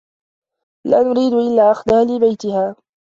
لا نريد إلا أخذها لبيتها.